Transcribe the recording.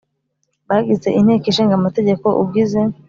bagize Inteko Ishinga Amategeko ugize